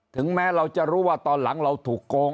ถึงแม้เราจะรู้ว่าตอนหลังเราถูกโกง